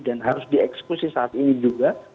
dan harus dieksekusi saat ini juga